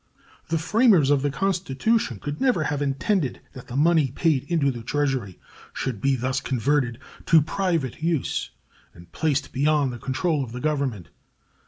The framers of the Constitution could never have intended that the money paid into the Treasury should be thus converted to private use and placed beyond the control of the Government.